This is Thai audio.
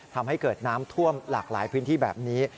ทำให้เกิดน้ำท่วมหลากหลายพื้นที่แบบนี้